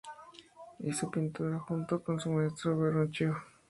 Hizo la pintura junto con su maestro Verrocchio.